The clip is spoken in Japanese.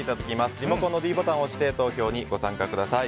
リモコンのｄボタンを押して投票にご参加ください。